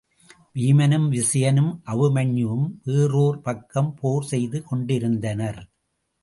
வீமனும் விசயனும் அபிமன்யுவும் வேறு ஓர் பக்கம் போர் செய்து கொண்டிருந்தனர்.